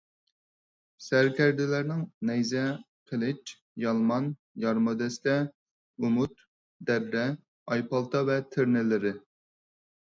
سەركەردىلەرنىڭ نەيزە، قىلىچ، يالمان، يارما دەستە، ئۇمۇت، دەررە، ئايپالتا ۋە تىرنىلىرى